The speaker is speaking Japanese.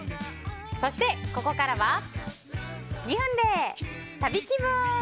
そして、ここからは２分で旅気分！